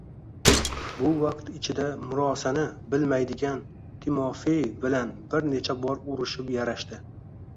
Bu vaqt ichida murosani bilmaydigan Timofeev bilan bir necha bor urishib-yarashdi.